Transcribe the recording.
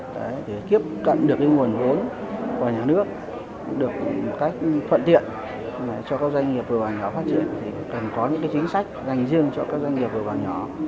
đấy để tiếp cận được cái nguồn vốn của nhà nước được một cách thuận tiện cho các doanh nghiệp vừa và nhỏ phát triển thì cần có những cái chính sách dành riêng cho các doanh nghiệp vừa và nhỏ